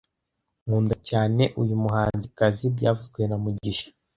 Nkunda cyane uyu muhanzikazi byavuzwe na mugisha